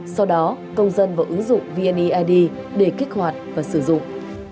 sau đó công dân vào ứng dụng vnead để kết hoạt và sử dụng